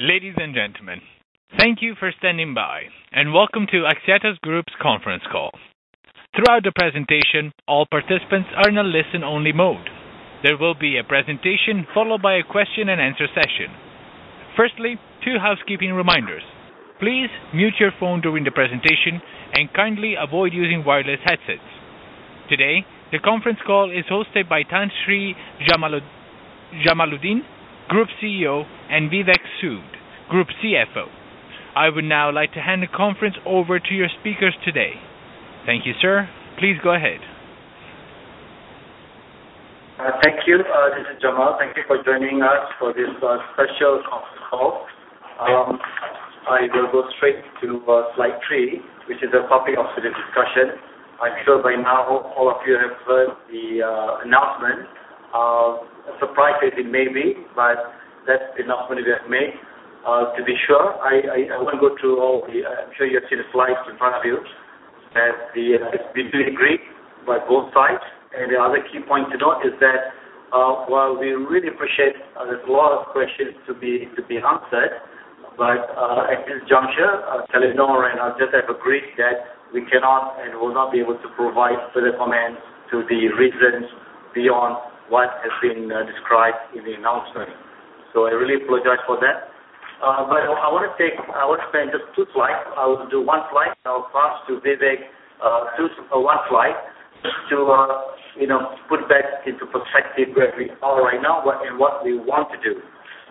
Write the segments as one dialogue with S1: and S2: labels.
S1: Ladies and gentlemen, thank you for standing by, and welcome to Axiata Group's Conference Call. Throughout the presentation, all participants are in a listen-only mode. There will be a presentation followed by a question-and-answer session. Firstly, two housekeeping reminders: please mute your phone during the presentation and kindly avoid using wireless headsets. Today, the conference call is hosted by Tan Sri Jamaludin, Group CEO, and Vivek Sood, Group CFO. I would now like to hand the conference over to your speakers today. Thank you, sir. Please go ahead.
S2: Thank you. This is Jamal. Thank you for joining us for this special conference call. I will go straight to slide three, which is the topic of today's discussion. I'm sure by now all of you have heard the announcement, as surprised as it may be, but that's the announcement we have made. To be sure, I won't go through all of it. I'm sure you have seen the slides in front of you that we agreed by both sides, and the other key point to note is that while we really appreciate there's a lot of questions to be answered, but at this juncture, Telenor and Axiata have agreed that we cannot and will not be able to provide further comments to the reasons beyond what has been described in the announcement, so I really apologize for that, but I want to spend just two slides. I will do one slide now, first to Vivek, one slide, just to put back into perspective where we are right now and what we want to do,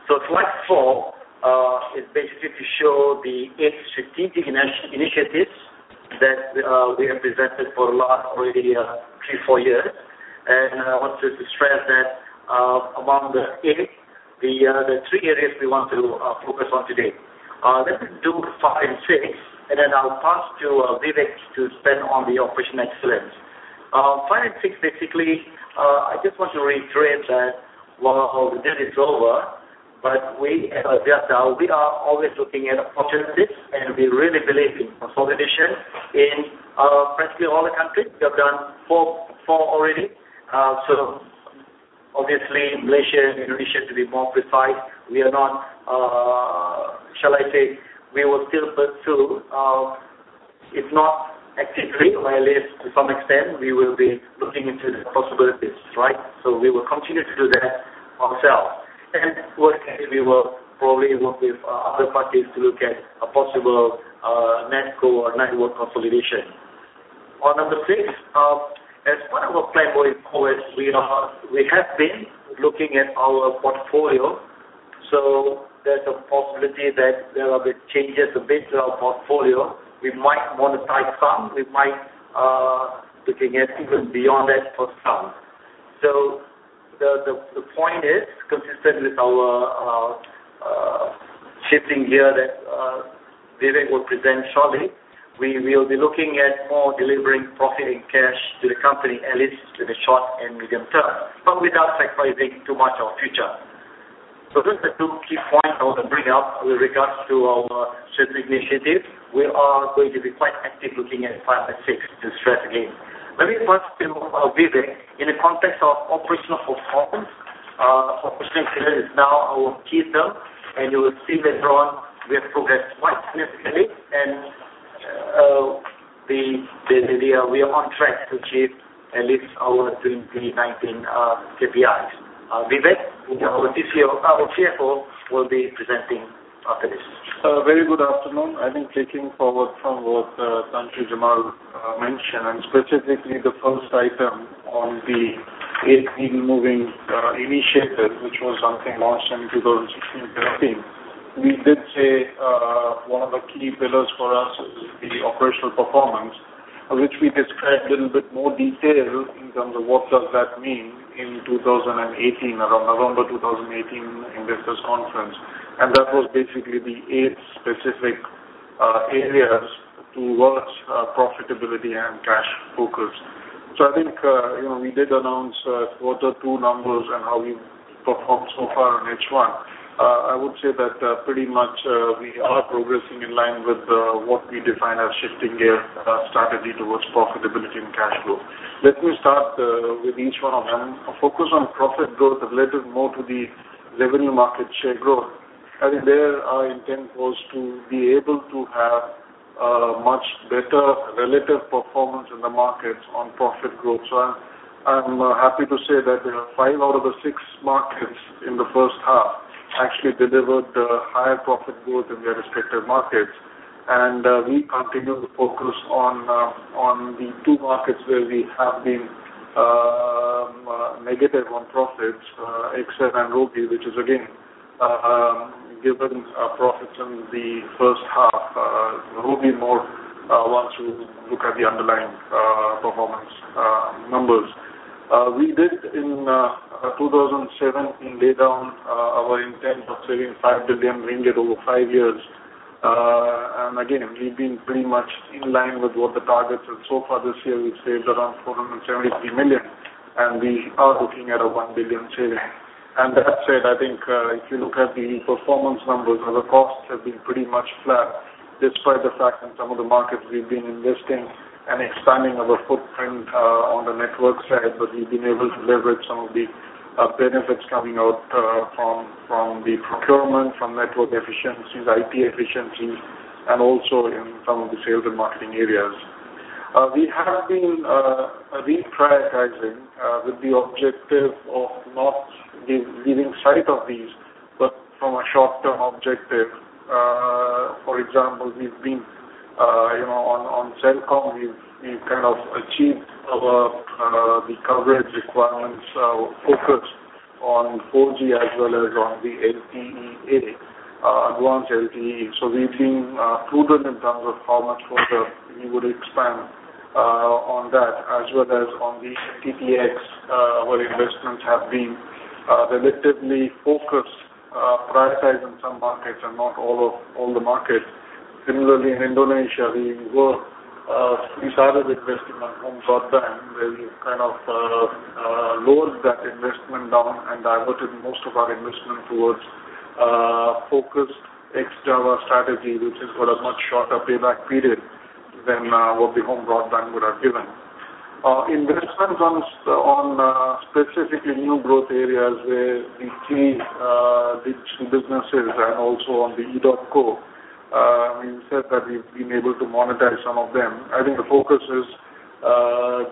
S2: so slide four is basically to show the eight strategic initiatives that we have presented for the last already three, four years, and I want to stress that among the eight, the three areas we want to focus on today. Let me do five and six, and then I'll pass to Vivek to spend on the operational excellence. Five and six, basically, I just want to reiterate that while the day is over, but we at Axiata are always looking at opportunities, and we really believe in consolidation in practically all the countries. We have done four already. So obviously, Malaysia and Indonesia, to be more precise, we are not, shall I say, we will still pursue, if not actively, or at least to some extent, we will be looking into the possibilities, right? We will continue to do that ourselves. And we will probably work with other parties to look at a possible NetCo network consolidation. On number six, as part of our plan going forward, we have been looking at our portfolio. So there's a possibility that there are big changes to base of our portfolio. We might monetize some. We might be looking at even beyond that for some. So the point is, consistent with our Shifting Gear that Vivek will present shortly, we will be looking at more delivering profit and cash to the company, at least in the short and medium term, but without sacrificing too much of future. So those are the two key points I want to bring up with regards to our strategic initiatives. We are going to be quite active looking at five and six, to stress again. Let me pass to Vivek in the context of operational performance. Operational excellence is now our key term, and you will see later on we have progressed quite significantly, and we are on track to achieve at least our 2019 KPIs. Vivek, our CFO, will be presenting after this.
S3: Very good afternoon. I think taking forward from what Tan Sri Jamal mentioned, and specifically the first item on the eight moving initiatives, which was something launched in 2016, 2018, we did say one of the key pillars for us is the operational performance, which we described a little bit more detail in terms of what does that mean in 2018, around November 2018, in this conference, and that was basically the eight specific areas towards profitability and cash focus, so I think we did announce what the two numbers and how we performed so far on each one. I would say that pretty much we are progressing in line with what we define as Shifting Gear strategy towards profitability and cash flow. Let me start with each one of them. Focus on profit growth relative more to the revenue market share growth. I think their intent was to be able to have much better relative performance in the markets on profit growth, so I'm happy to say that five out of the six markets in the first half actually delivered higher profit growth in their respective markets, and we continue to focus on the two markets where we have been negative on profits, XL and Robi, which is, again, given profits in the first half, Robi more wants to look at the underlying performance numbers. We did, in 2017, lay down our intent of saving 5 billion ringgit over five years, and again, we've been pretty much in line with what the targets are, so far this year, we've saved around 473 million, and we are looking at a 1 billion saving. That said, I think if you look at the performance numbers, the costs have been pretty much flat despite the fact in some of the markets we've been investing and expanding our footprint on the network side, but we've been able to leverage some of the benefits coming out from the procurement, from network efficiencies, IT efficiencies, and also in some of the sales and marketing areas. We have been reprioritizing with the objective of not losing sight of these, but from a short-term objective. For example, we've been in Celcom; we've kind of achieved the coverage requirements focused on 4G as well as on the LTE-A, Advanced LTE. So we've been prudent in terms of how much further we would expand on that, as well as on the FTTx, where investments have been relatively focused, prioritized in some markets and not all the markets. Similarly, in Indonesia, we started investing on home broadband, where we've kind of lowered that investment down and diverted most of our investment towards focused ex-Java strategy, which has got a much shorter payback period than what the home broadband would have given. Investments on specifically new growth areas where we see digital businesses and also on the Edotco, we said that we've been able to monetize some of them. I think the focus is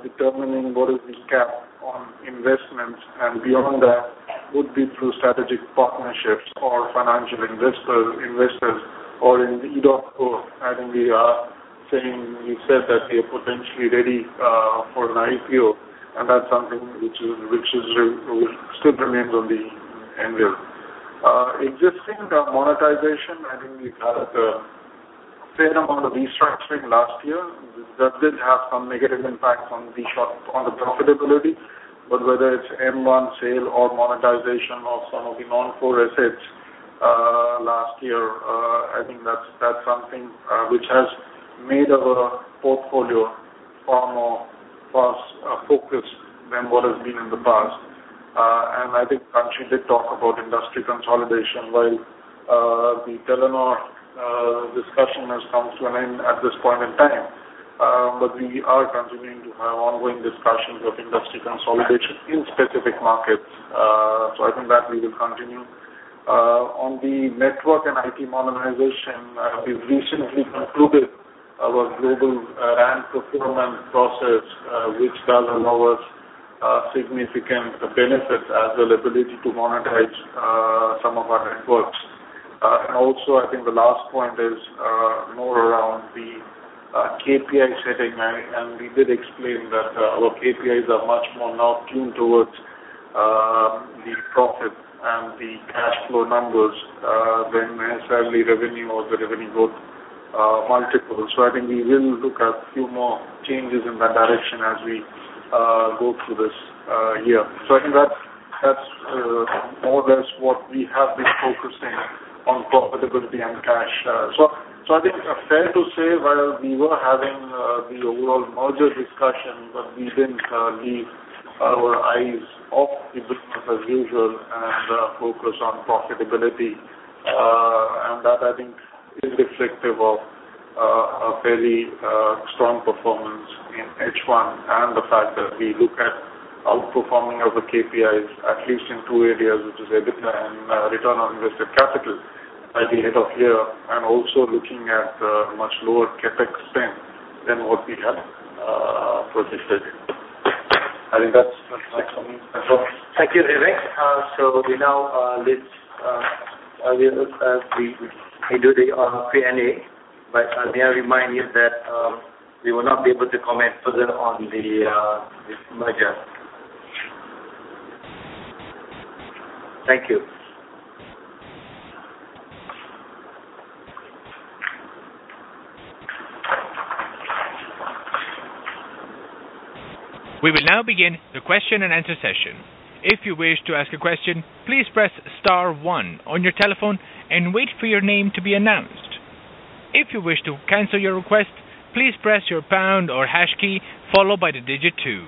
S3: determining what is the cap on investments, and beyond that would be through strategic partnerships or financial investors or in the Edotco. I think we are saying we said that we are potentially ready for an IPO, and that's something which still remains on the end result. Existing monetization, I think we've had a fair amount of restructuring last year that did have some negative impacts on the profitability. But whether it's M1 sale or monetization of some of the non-core assets last year, I think that's something which has made our portfolio far more focused than what has been in the past. And I think Tan Sri did talk about industry consolidation while the Telenor discussion has come to an end at this point in time. But we are continuing to have ongoing discussions of industry consolidation in specific markets. So I think that we will continue. On the network and IT modernization, we've recently concluded our global RAN procurement process, which does allow us significant benefits as well as the ability to monetize some of our networks. And also, I think the last point is more around the KPI setting, and we did explain that our KPIs are much more now tuned towards the profit and the cash flow numbers than necessarily revenue or the revenue growth multiples. So I think we will look at a few more changes in that direction as we go through this year. So I think that's more or less what we have been focusing on profitability and cash. So I think fair to say, while we were having the overall merger discussion, but we didn't leave our eyes off the business as usual and focus on profitability. And that, I think, is reflective of a fairly strong performance in H1 and the fact that we look at outperforming our KPIs, at least in two areas, which is EBITDA and return on invested capital by the end of the year, and also looking at much lower CapEx spend than what we had previously. I think that's something to note.
S2: Thank you, Vivek. So we now do the Q&A, but may I remind you that we will not be able to comment further on the merger. Thank you.
S1: We will now begin the question and answer session. If you wish to ask a question, please press star one on your telephone and wait for your name to be announced. If you wish to cancel your request, please press your pound or hash key followed by the digit two.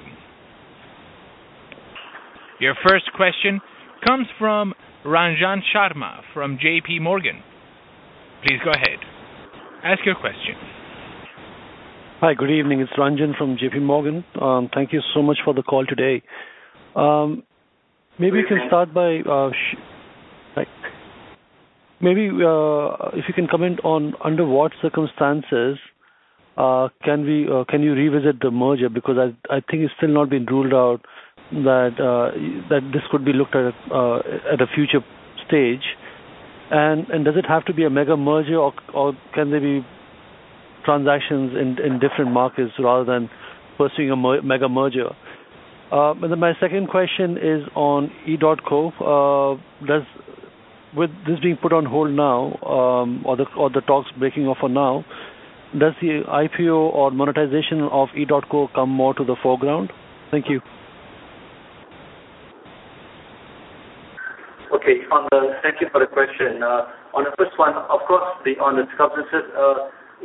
S1: Your first question comes from Ranjan Sharma from J.P. Morgan. Please go ahead. Ask your question.
S4: Hi, good evening. It's Ranjan from J.P. Morgan. Thank you so much for the call today. Maybe we can start by maybe if you can comment on under what circumstances can you revisit the merger because I think it's still not been ruled out that this could be looked at at a future stage. And does it have to be a mega merger, or can there be transactions in different markets rather than pursuing a mega merger? And then my second question is on Edotco. With this being put on hold now, or the talks breaking off for now, does the IPO or monetization of Edotco come more to the foreground? Thank you.
S2: Okay. Thank you for the question. On the first one, of course, on the transition,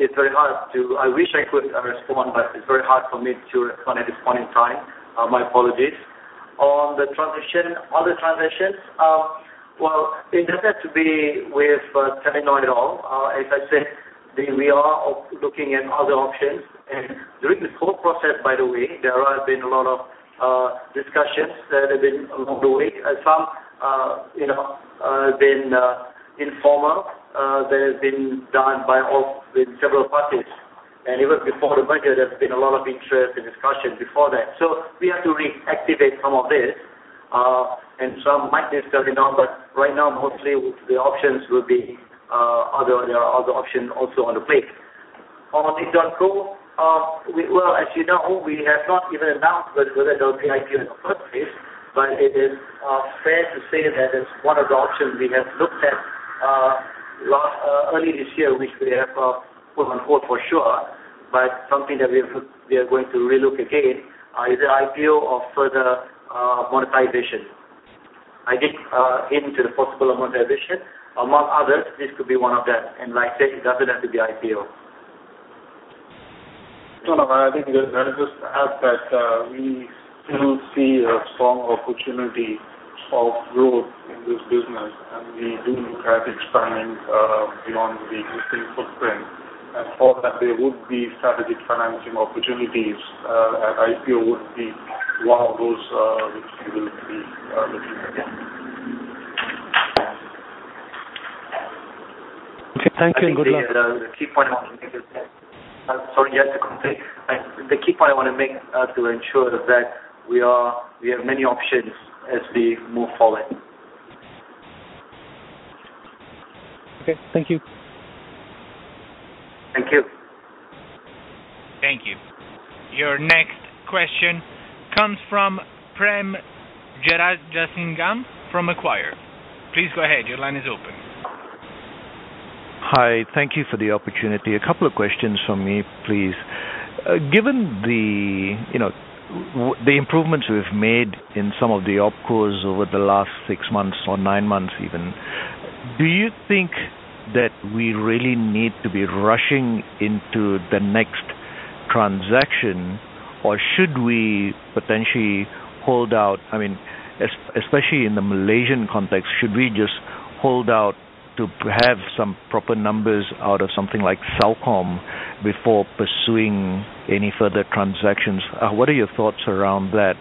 S2: it's very hard to. I wish I could respond, but it's very hard for me to respond at this point in time. My apologies. On the transition, other transitions, well, it doesn't have to be with Telenor at all. As I said, we are looking at other options and during this whole process, by the way, there have been a lot of discussions that have been along the way. Some have been informal. They have been done by several parties and even before the merger, there's been a lot of interest and discussion before that, so we have to reactivate some of this and some might be starting now, but right now, mostly the options will be other. There are other options also on the plate. On Edotco, well, as you know, we have not even announced whether there'll be IPO in the first place, but it is fair to say that it's one of the options we have looked at early this year, which we have put on hold for sure, but something that we are going to relook again is the IPO or further monetization. I did hint to the possible monetization. Among others, this could be one of them, and like I said, it doesn't have to be IPO.
S3: I think just to add that we still see a strong opportunity of growth in this business, and we do look at expanding beyond the existing footprint, and for that, there would be strategic financing opportunities, and IPO would be one of those which we will be looking at.
S4: Okay. Thank you. Good luck.
S2: I think the key point I want to make is to ensure that we have many options as we move forward.
S4: Okay. Thank you.
S2: Thank you.
S1: Thank you. Your next question comes from Prem Jearajasingam from Macquarie. Please go ahead. Your line is open.
S5: Hi. Thank you for the opportunity. A couple of questions from me, please. Given the improvements we've made in some of the OpCos over the last six months or nine months even, do you think that we really need to be rushing into the next transaction, or should we potentially hold out? I mean, especially in the Malaysian context, should we just hold out to have some proper numbers out of something like Celcom before pursuing any further transactions? What are your thoughts around that?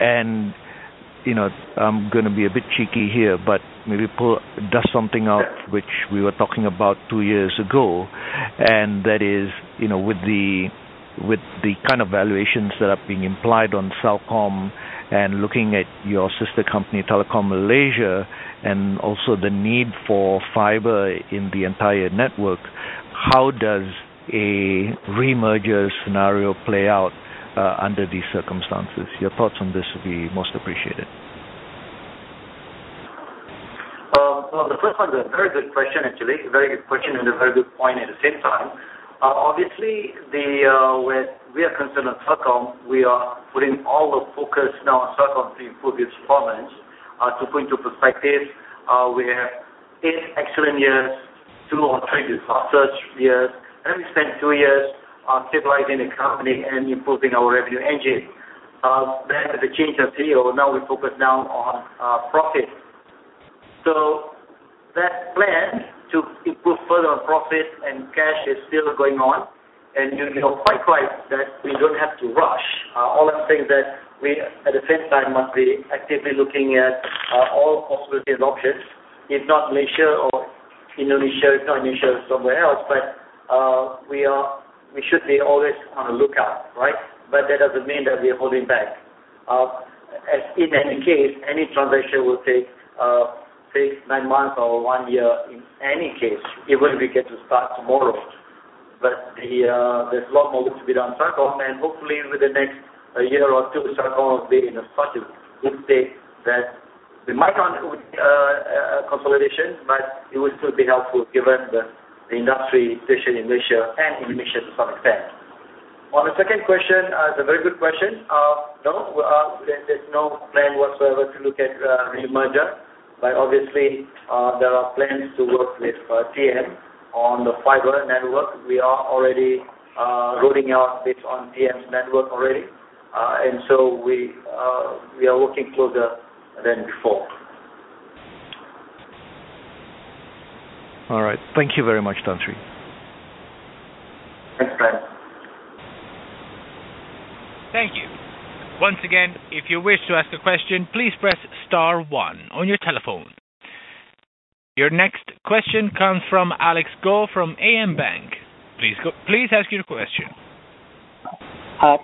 S5: And I'm going to be a bit cheeky here, but maybe dust off something which we were talking about two years ago, and that is with the kind of valuations that are being implied on Celcom and looking at your sister company, Telekom Malaysia, and also the need for fiber in the entire network, how does a remerger scenario play out under these circumstances? Your thoughts on this would be most appreciated.
S2: Well, the first one is a very good question, actually. Very good question and a very good point at the same time. Obviously, when we are concerned on Celcom, we are putting all the focus now on Celcom to improve its performance, to put into perspective. We have eight excellent years, two or three disaster years, and we spent two years stabilizing the company and improving our revenue engine. Then with the change of CEO, now we focus down on profit. So that plan to improve further on profit and cash is still going on. And you're quite right that we don't have to rush. All I'm saying is that we, at the same time, must be actively looking at all possibilities and options, if not Malaysia or Indonesia, if not Indonesia, somewhere else. But we should be always on the lookout, right? But that doesn't mean that we're holding back. As in any case, any transaction will take nine months or one year in any case, even if we get to start tomorrow. But there's a lot more work to be done on Celcom, and hopefully, within the next year or two, Celcom will be in a positive good state that we might not need consolidation, but it will still be helpful given the industry, especially in Malaysia and Indonesia to some extent. On the second question, it's a very good question. No, there's no plan whatsoever to look at remerger. But obviously, there are plans to work with TM on the fiber network. We are already rolling out based on TM's network already. And so we are working closer than before.
S5: All right. Thank you very much, Tan Sri.
S2: Thanks, Prem.
S1: Thank you. Once again, if you wish to ask a question, please press star one on your telephone. Your next question comes from Alex Goh from AmBank. Please ask your question.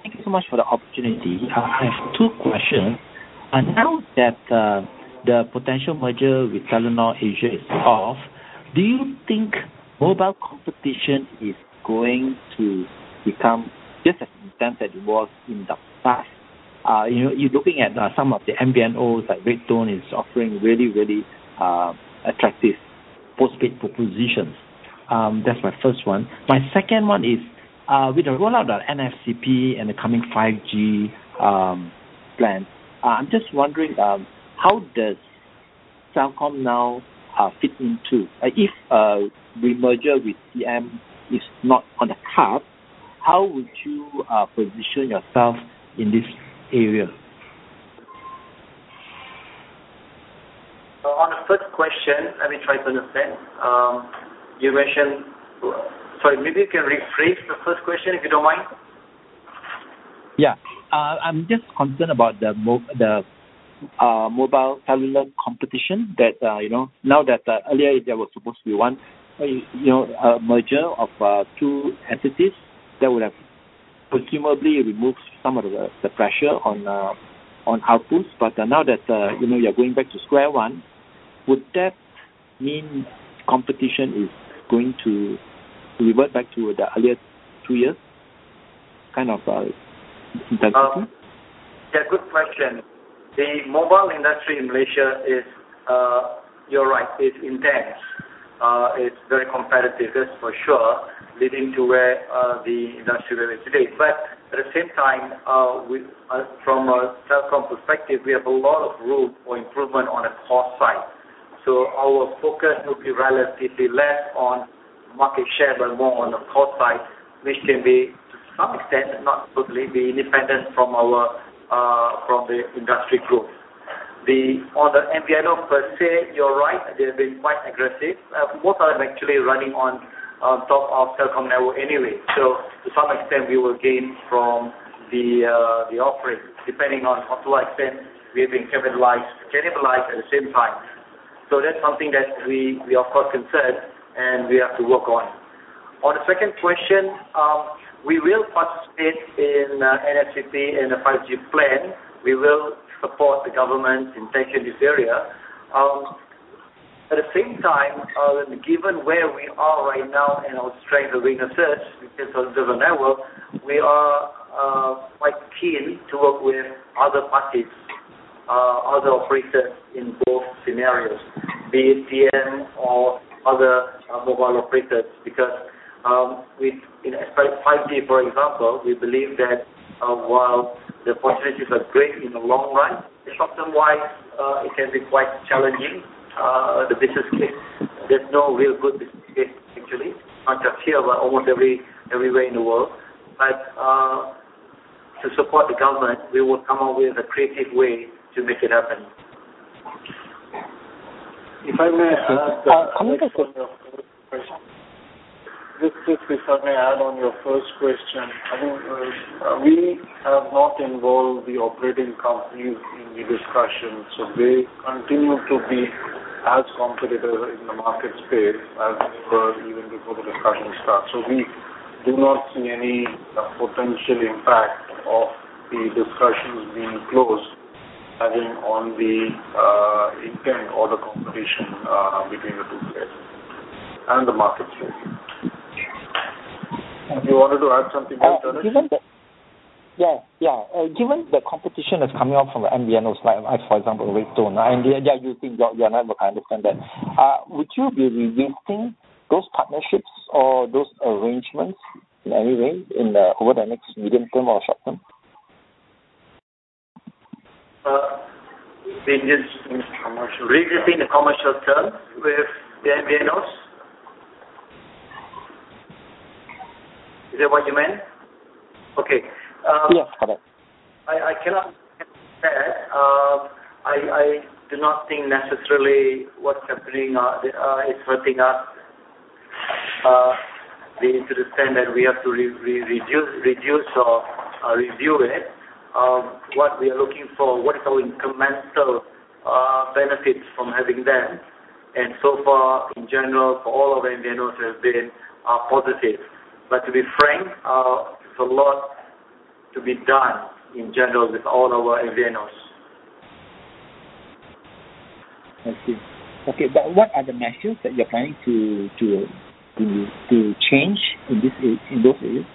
S6: Thank you so much for the opportunity. I have two questions. Now that the potential merger with Telenor Asia is off, do you think mobile competition is going to become just as intense as it was in the past? You're looking at some of the MVNOs like redONE is offering really, really attractive postpaid propositions. That's my first one. My second one is, with the rollout of NFCP and the coming 5G plan, I'm just wondering, how does Celcom now fit into if re-merger with TM is not on the card? How would you position yourself in this area?
S2: On the first question, let me try to understand. You mentioned, sorry, maybe you can rephrase the first question if you don't mind.
S6: Yeah. I'm just concerned about the mobile cellular competition that now that earlier there was supposed to be one merger of two entities that would have presumably removed some of the pressure on outputs. But now that you're going back to square one, would that mean competition is going to revert back to the earlier two years kind of intensity?
S2: Yeah, good question. The mobile industry in Malaysia is, you're right, is intense. It's very competitive, that's for sure, leading to where the industry today. But at the same time, from a Celcom perspective, we have a lot of room for improvement on the cost side. So our focus will be relatively less on market share but more on the cost side, which can be, to some extent, not completely independent from the industry growth. On the MVNO per se, you're right, they have been quite aggressive. Most of them are actually running on top of Celcom network anyway. So to some extent, we will gain from the offering, depending on to what extent we have been capitalized at the same time. So that's something that we, of course, are concerned, and we have to work on. On the second question, we will participate in NFCP and the 5G plan. We will support the government's intention in this area. At the same time, given where we are right now and our strength of the merger with this network, we are quite keen to work with other parties, other operators in both scenarios, be it TM or other mobile operators. Because in 5G, for example, we believe that while the opportunities are great in the long run, short-term-wise, it can be quite challenging. There's no real good business case, actually, not just here but almost everywhere in the world. But to support the government, we will come up with a creative way to make it happen.
S3: If I may ask a question?
S6: I'm going to...
S3: Just if I may add on your first question, I mean, we have not involved the operating companies in the discussion. So they continue to be as competitive in the market space as they were even before the discussion started. So we do not see any potential impact of the discussions being closed having on the intent or the competition between the two players and the market space. If you wanted to add something else, Alex?
S6: Yeah. Yeah. Given the competition that's coming up from MVNOs, for example, redONE, and they are using your network, I understand that. Would you be revisiting those partnerships or those arrangements in any way over the next medium term or short term?
S2: Revisiting the commercial terms with the MVNOs? Is that what you meant? Okay.
S6: Yes, correct.
S2: I cannot say that. I do not think necessarily what's happening is hurting us. We need to understand that we have to reduce or review it. What we are looking for, what is our incremental benefit from having them? And so far, in general, for all of the MVNOs, it has been positive. But to be frank, there's a lot to be done in general with all of our MVNOs.
S6: Thank you. Okay. But what are the measures that you're planning to change in those areas?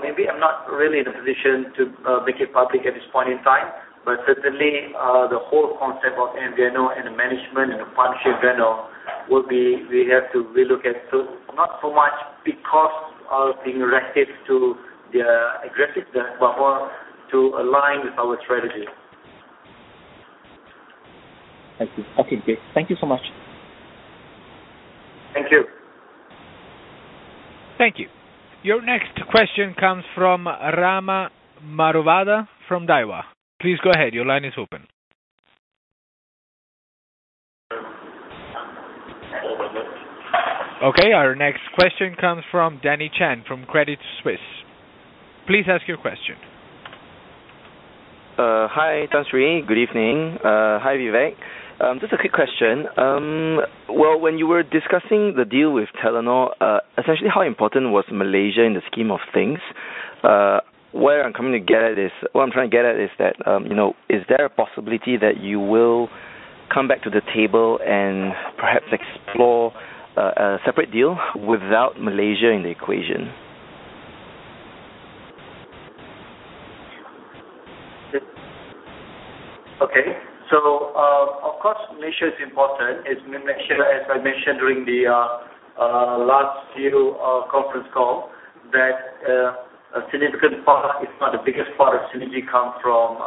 S2: Maybe I'm not really in a position to make it public at this point in time, but certainly, the whole concept of MVNO and the management and the partnership MVNO will be, we have to relook at not so much because of being reactive to the aggressiveness, but more to align with our strategy.
S6: Thank you. Okay, great. Thank you so much.
S2: Thank you.
S1: Thank you. Your next question comes from Rama Maruvada from Daiwa. Please go ahead. Your line is open. Okay. Our next question comes from Danny Chan from Credit Suisse. Please ask your question.
S7: Hi, Tan Sri. Good evening. Hi, Vivek. Just a quick question. Well, when you were discussing the deal with Telenor, essentially, how important was Malaysia in the scheme of things? What I'm trying to get at is that, is there a possibility that you will come back to the table and perhaps explore a separate deal without Malaysia in the equation?
S2: Okay. Of course, Malaysia is important. As I mentioned during the last few conference calls, that a significant part, if not the biggest part of synergy, comes from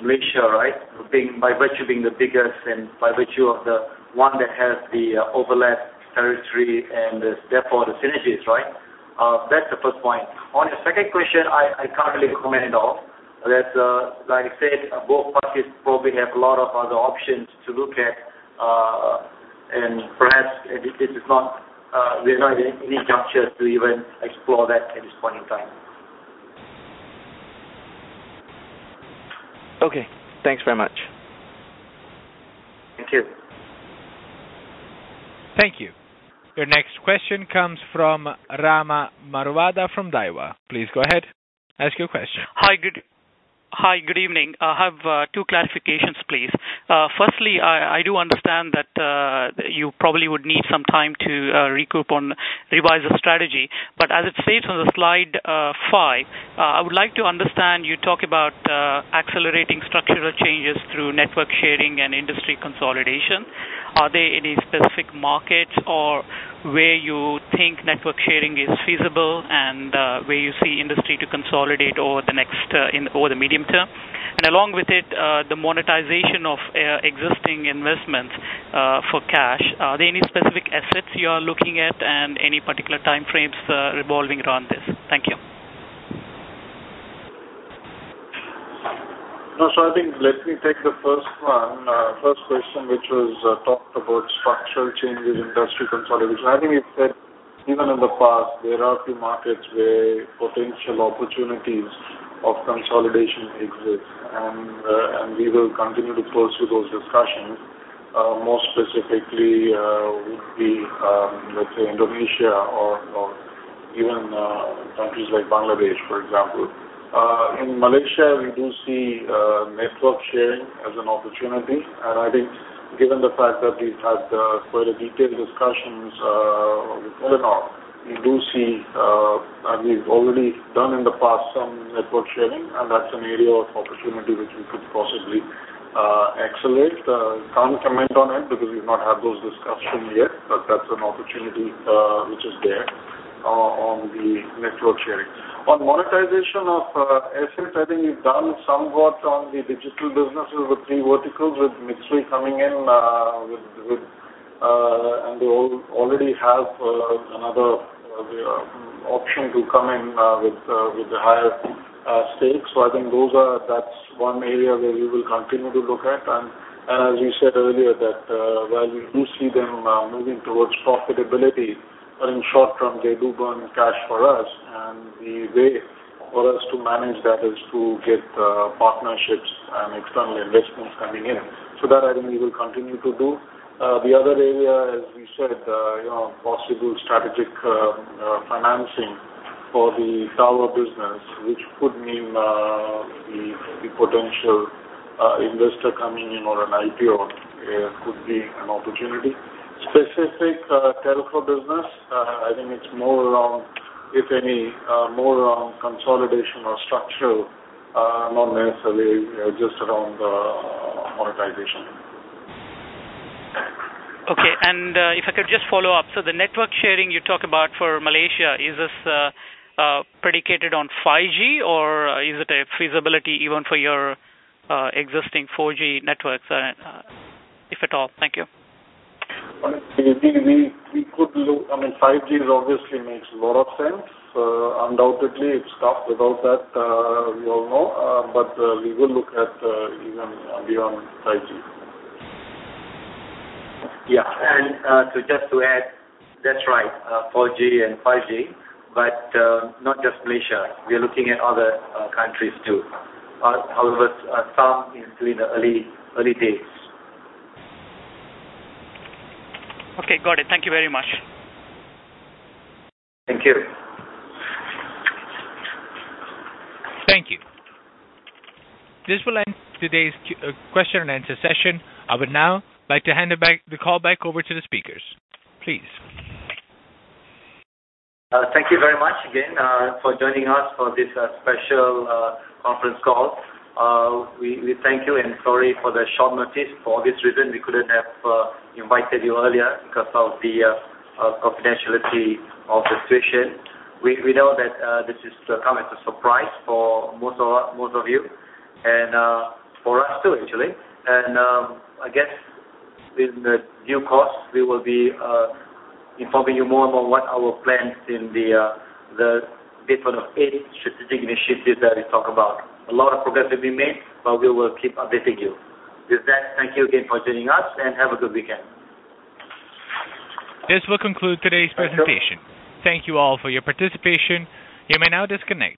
S2: Malaysia, right? By virtue of being the biggest and by virtue of the one that has the overlap territory and therefore the synergies, right? That's the first point. On your second question, I can't really comment at all. Like I said, both parties probably have a lot of other options to look at, and perhaps this is not, we are not at any juncture to even explore that at this point in time.
S7: Okay. Thanks very much.
S2: Thank you.
S1: Thank you. Your next question comes from Rama Maruvada from Daiwa. Please go ahead. Ask your question.
S8: Hi. Good evening. I have two clarifications, please. Firstly, I do understand that you probably would need some time to recoup on revised strategy. But as it states on slide five, I would like to understand you talk about accelerating structural changes through network sharing and industry consolidation. Are there any specific markets or where you think network sharing is feasible and where you see industry to consolidate over the medium term? And along with it, the monetization of existing investments for cash. Are there any specific assets you are looking at and any particular time frames revolving around this? Thank you.
S3: So I think let me take the first question, which was talked about structural changes, industry consolidation. I think we've said even in the past, there are a few markets where potential opportunities of consolidation exist. And we will continue to pursue those discussions. More specifically, it would be, let's say, Indonesia or even countries like Bangladesh, for example. In Malaysia, we do see network sharing as an opportunity. And I think given the fact that we've had quite a detailed discussion with Telenor, we do see, and we've already done in the past some network sharing, and that's an area of opportunity which we could possibly accelerate. Can't comment on it because we've not had those discussions yet, but that's an opportunity which is there on the network sharing. On monetization of assets, I think we've done somewhat on the digital businesses with three verticals, with Mitsui coming in, and we already have another option to come in with the higher stakes, so I think that's one area where we will continue to look at, and as you said earlier, that while we do see them moving towards profitability, but in short term, they do burn cash for us, and the way for us to manage that is to get partnerships and external investments coming in, so that, I think, we will continue to do. The other area, as we said, possible strategic financing for the tower business, which could mean the potential investor coming in or an IPO could be an opportunity. Specific telco business, I think it's more around, if any, more around consolidation or structural, not necessarily just around the monetization.
S8: Okay. And if I could just follow up, so the network sharing you talk about for Malaysia, is this predicated on 5G, or is it a feasibility even for your existing 4G networks, if at all? Thank you.
S3: Honestly, we could look, I mean, 5G obviously makes a lot of sense. Undoubtedly, it's tough without that, we all know. But we will look at even beyond 5G.
S2: Yeah. And just to add, that's right, 4G and 5G, but not just Malaysia. We're looking at other countries too. However, some is still in the early days.
S8: Okay. Got it. Thank you very much.
S2: Thank you.
S1: Thank you. This will end today's question-and-answer session. I would now like to hand the call back over to the speakers. Please.
S2: Thank you very much again for joining us for this special conference call. We thank you and sorry for the short notice. For obvious reasons, we couldn't have invited you earlier because of the confidentiality of the situation. We know that this has come as a surprise for most of you and for us too, actually, and I guess in due course, we will be informing you more about what our plans in the [eight] strategic initiatives that we talk about. A lot of progress will be made, but we will keep updating you. With that, thank you again for joining us, and have a good weekend.
S1: This will conclude today's presentation. Thank you all for your participation. You may now disconnect.